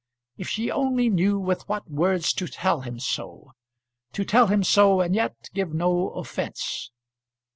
If she only knew with what words to tell him so; to tell him so and yet give no offence!